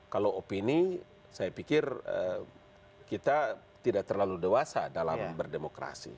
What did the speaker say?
kalau opini saya pikir kita tidak terlalu dewasa dalam berdemokrasi